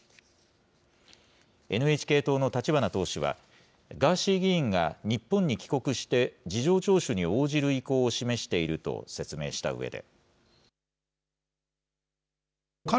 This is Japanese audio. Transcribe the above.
ＮＨＫ党の立花党首は、ガーシー議員が日本に帰国して、事情聴取に応じる意向を示していると説明したうえで。